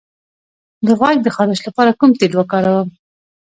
د غوږ د خارش لپاره کوم تېل وکاروم؟